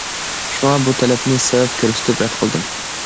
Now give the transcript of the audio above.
شۇڭا بۇ تەلەپنى سەۋەب كۆرسىتىپ رەت قىلدىم.